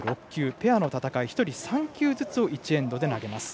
ペアの戦い１人３球ずつを１エンドで投げます。